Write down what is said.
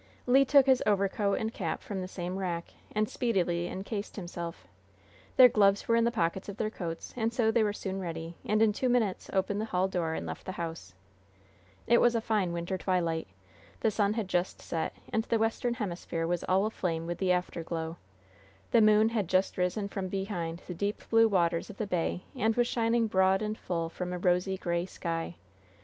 Le took his overcoat and cap from the same rack, and speedily incased himself. Their gloves were in the pockets of their coats, and so they were soon ready, and in two minutes opened the hall door and left the house. It was a fine winter twilight. The sun had just set, and the western hemisphere was all aflame with the afterglow. The moon had just risen from behind the deep blue waters of the bay, and was shining broad and full from a rosy gray sky.